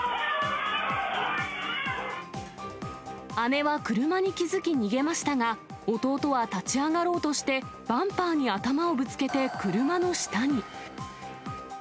姉は車に気付き逃げましたが、弟は立ち上がろうとして、バンパーに頭をぶつけて車の下に。